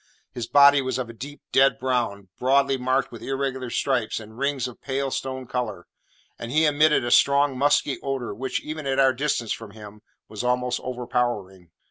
His body was of a deep dead brown, broadly marked with irregular stripes and rings of pale stone colour; and he emitted a strong musky odour, which, even at our distance from him, was almost overpowering.